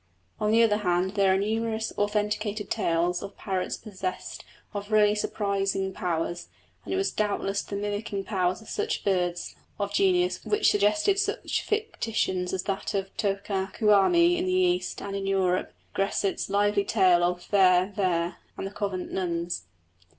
On the other hand there are numerous authenticated cases of parrots possessed of really surprising powers, and it was doubtless the mimicking powers of such birds of genius which suggested such fictions as that of the Totá Kuhami in the East; and in Europe, Gresset's lively tale of Vert Vert and the convent nuns.